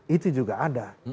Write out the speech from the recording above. itu juga ada